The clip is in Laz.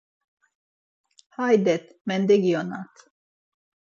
Haydet, mendegionat.